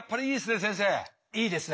いいですね。